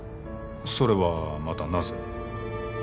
それはまたなぜ？